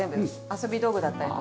遊び道具だったりとか。